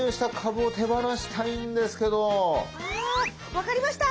分かりました。